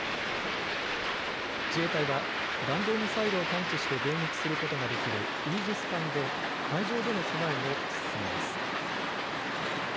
自衛隊は弾道ミサイルを探知して迎撃することができるイージス艦で海上での備えも進めます。